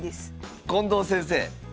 近藤先生。